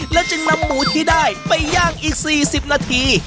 แล้วจึงนำหมูที่ได้ไปย่างอีก๔๐นาที